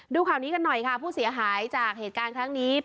ดูข่าวนี้กันหน่อยค่ะผู้เสียหายจากเหตุการณ์ครั้งนี้